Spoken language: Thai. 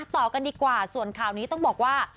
ต่อกันดีกว่าส่วนข่าวนี้ต้องบอกว่า